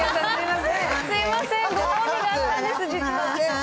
すみません、ご褒美があったんです、実は。